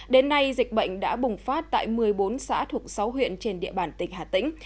đến nay dịch bệnh đã bùng phát tại một mươi bốn xã thuộc sáu huyện trên địa bàn tỉnh hà tĩnh